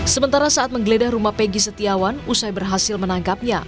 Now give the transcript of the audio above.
sementara saat menggeledah rumah pegi setiawan usai berhasil menangkapnya